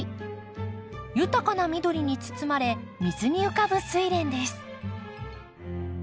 豊かな緑に包まれ水に浮かぶスイレンです。